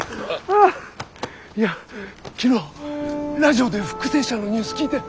いや昨日ラジオで復生者のニュース聞いて。